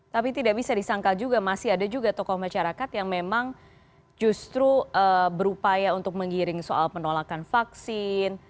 tapi tidak bisa disangkal juga masih ada juga tokoh masyarakat yang memang justru berupaya untuk menggiring soal penolakan vaksin